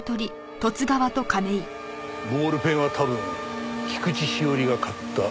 ボールペンは多分菊地詩織が買った盗聴器。